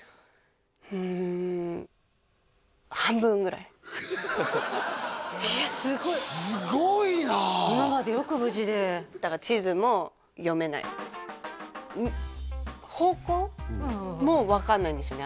うんええすごいすごいなあ今までよく無事でだから方向も分かんないんですよね